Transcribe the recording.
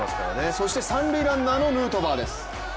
そして三塁ランナーのヌートバーです。